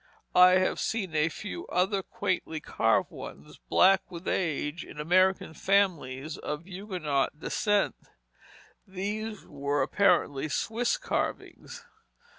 I have seen a few other quaintly carved ones, black with age, in American families of Huguenot descent; these were apparently Swiss carvings.